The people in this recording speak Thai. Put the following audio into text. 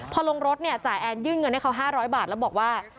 พอลงรถเนี่ยจ่ายแอนยื่นเงินให้เขา๕๐๐บาทแล้วบอกว่า